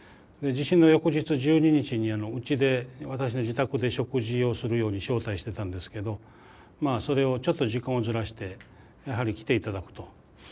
地震の翌日１２日にうちで私の自宅で食事をするように招待してたんですけどまあそれをちょっと時間をずらしてやはり来て頂くと。